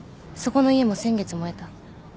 そこの家も先月燃えた。